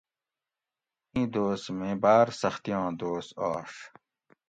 ایں دوس می باۤر سختیاں دوس آشو